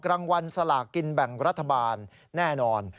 รางวัลสลากินแบ่งรัฐบาลแน่นอน